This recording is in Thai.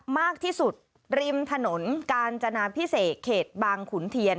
มากที่สุดริมถนนกาญจนาพิเศษเขตบางขุนเทียน